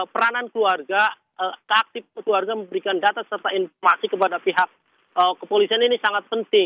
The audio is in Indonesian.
peranan keluarga keaktif keluarga memberikan data serta informasi kepada pihak kepolisian ini sangat penting